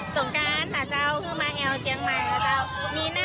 สงกรานหาเจ้าเข้ามาแงวเชียงใหม่